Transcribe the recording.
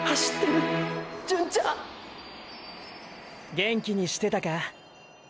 元気にしてたか。